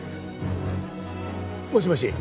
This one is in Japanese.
もしもし。